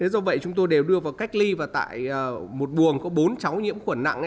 do vậy chúng tôi đều đưa vào cách ly và tại một buồng có bốn cháu nhiễm khuẩn nặng